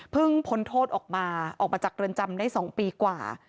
พ้นโทษออกมาออกมาจากเรือนจำได้๒ปีกว่า